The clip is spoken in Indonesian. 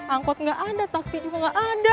angkot gak ada taksi juga gak ada